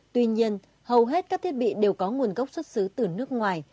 tuy nhiên hầu hết các thiết bị đều có nguồn gốc xuất xứ từ nước ngoài